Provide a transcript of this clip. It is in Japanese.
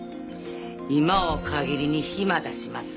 今を限りに暇出します。